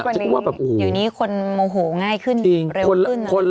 เลิกกับสามีแล้วละ